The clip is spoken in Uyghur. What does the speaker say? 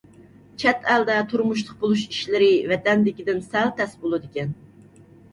چەت ئەلدە تۇرمۇشلۇق بولۇش ئىشلىرى ۋەتەندىكىدىن سەل تەس بولىدىكەن.